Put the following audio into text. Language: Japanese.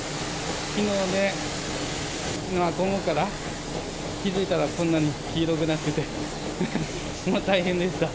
きのうね、午後から、気付いたらこんなに黄色くなってて、大変でした。